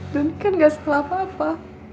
doni kan gak setelah papa